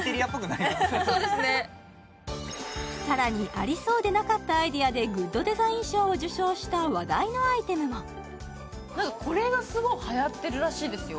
そうですねさらにありそうでなかったアイデアでグッドデザイン賞を受賞した話題のアイテムも何かこれがすごいはやってるらしいですよ